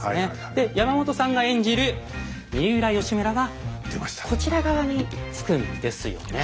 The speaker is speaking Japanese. で山本さんが演じる三浦義村はこちら側につくんですよね。